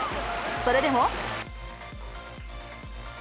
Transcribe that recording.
それでも。